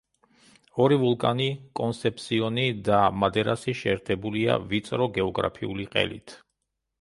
ორი ვულკანი კონსეფსიონი და მადერასი შეერთებულია ვიწრო გეოგრაფიული ყელით.